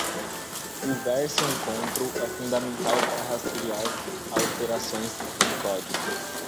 O Version Control é fundamental para rastrear alterações de código.